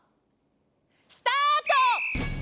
スタート！